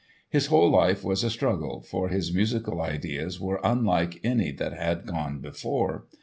His whole life was a struggle, for his musical ideas were unlike any that had gone before.